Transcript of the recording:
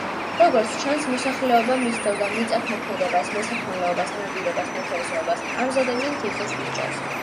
როგორც ჩანს, მოსახლეობა მისდევდა მიწათმოქმედებას, მესაქონლეობას, ნადირობას, მეთევზეობას; ამზადებდნენ თიხის ჭურჭელს.